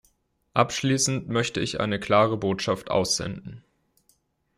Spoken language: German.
Abschließend möchte ich eine klare Botschaft aussenden.